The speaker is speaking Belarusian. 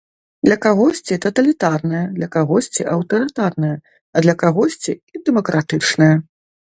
Для кагосьці таталітарная, для кагосьці аўтарытарная, а для кагосьці і дэмакратычная.